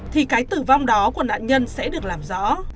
thì cái tử vong đó của nạn nhân sẽ được làm rõ